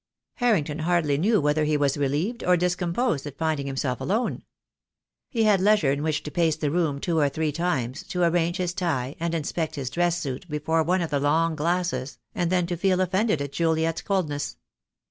Harrington hardly knew whether he was relieved or discomposed at finding himself alone. He had leisure in which to pace the room two or three times, to arrange his tie and inspect his dress suit before one of the long glasses, and then to feel offended at Juliet's coldness.